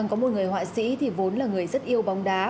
có một người họa sĩ thì vốn là người rất yêu bóng đá